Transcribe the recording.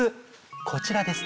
こちらです。